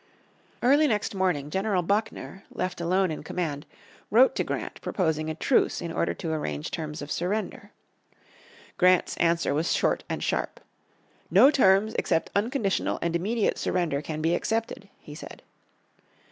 Early next morning General Buckner, left alone in command, wrote to Grant proposing a truce in order to arrange terms of surrender. Grant's answer was short and sharp. "No terms except unconditional and immediate surrender can be accepted," he said.